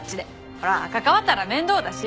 ほら関わったら面倒だし。